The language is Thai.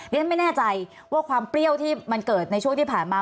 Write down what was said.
ฉันไม่แน่ใจว่าความเปรี้ยวที่มันเกิดในช่วงที่ผ่านมา